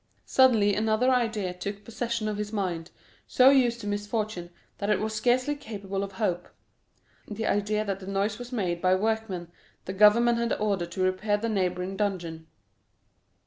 Suddenly another idea took possession of his mind, so used to misfortune, that it was scarcely capable of hope—the idea that the noise was made by workmen the governor had ordered to repair the neighboring dungeon.